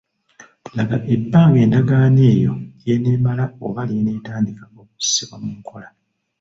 Laga ebbanga endagaano eyo ly'eneemala oba lw'etandika okussibwa mu nkola.